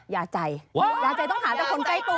ยาใจต้องหาจากคนใกล้ตัว